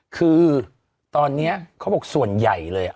คือตอนนี้เขาบอกส่วนใหญ่เลย